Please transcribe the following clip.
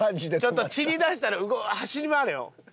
ちょっと散りだしたら走り回れよ。